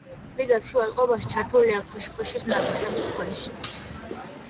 რიგებს შუა წყობაში ჩართულია ქვიშაქვის ნატეხი ქვებიც.